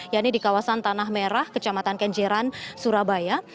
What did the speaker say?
ya ini di kawasan tanah merah kecamatan kenjeran surabaya